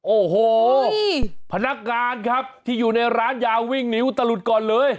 โอ้โหพนักงานครับที่อยู่ในร้านยาวิ่งนิ้วตะหลุดก่อนเลย